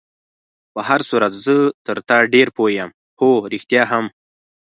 په هر صورت زه تر تا ډېر پوه یم، هو، رښتیا هم.